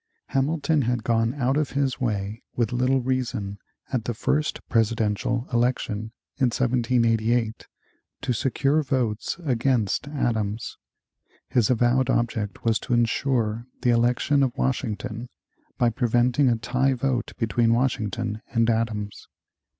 Hamilton had gone out of his way with little reason at the first presidential election, in 1788, to secure votes against Adams. His avowed object was to insure the election of Washington by preventing a tie vote between Washington and Adams.